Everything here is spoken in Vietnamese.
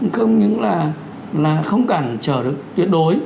không những là không cần chờ được tuyệt đối